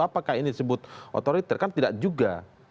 apakah ini disebut otoriter kan tidak juga